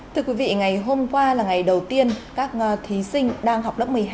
thưa quý vị ngày hôm qua là ngày đầu tiên các thí sinh đang học lớp một mươi hai